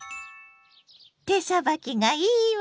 手さばきがいいわ。